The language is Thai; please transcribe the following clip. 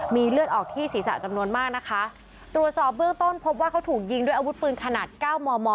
มีเลือดออกที่ศีรษะจำนวนมากนะคะตรวจสอบเบื้องต้นพบว่าเขาถูกยิงด้วยอาวุธปืนขนาดเก้ามอมอ